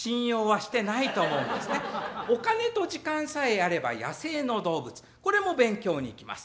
お金と時間さえあれば野生の動物これも勉強に行きます。